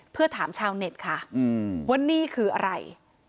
เพื่อถามชาวเน็ตค่ะว่านี่คืออะไร